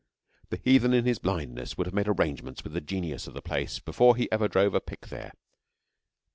The 'heathen in his blindness' would have made arrangements with the Genius of the Place before he ever drove a pick there.